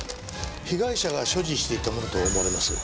被害者が所持していたものと思われます。